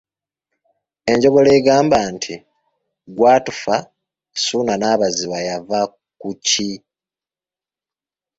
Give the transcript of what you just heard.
Enjogera egamba nti gwatufa, Ssuuna n'Abaziba yava ku ki?